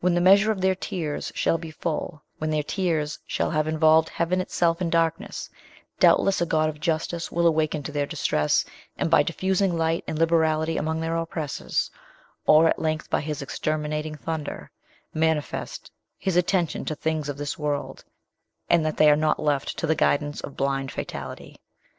When the measure of their tears shall be full when their tears shall have involved heaven itself in darkness doubtless a God of justice will awaken to their distress, and by diffusing light and liberality among their oppressors, or at length by his exterminating thunder, manifest his attention to things of this world, and that they are not left to the guidance of blind fatality."